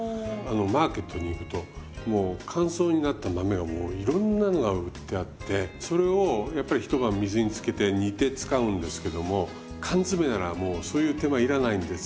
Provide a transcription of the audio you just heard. マーケットに行くと乾燥になった豆がもういろんなのが売ってあってそれをやっぱり一晩水につけて煮て使うんですけども缶詰ならもうそういう手間要らないんですごく人気ですよね